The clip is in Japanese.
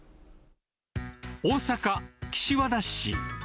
大阪・岸和田市。